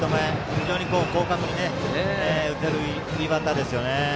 非常に広角に打てるいいバッターですね。